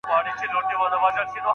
ایا استاد د شاګرد املا هم سمه کړه؟